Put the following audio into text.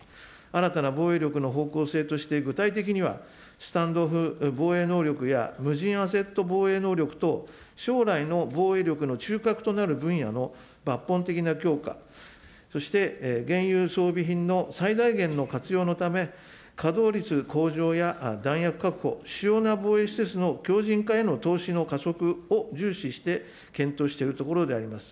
新たな防衛力の方向性として具体的にはスタンドオフ防衛能力や無人アセット防衛能力等、将来の防衛力の中核となる分野の抜本的な強化、そして現有装備品の最大限の活用のため、稼働率向上や弾薬確保、主要な防衛施設の強じん化への投資の加速を重視して検討しているところであります。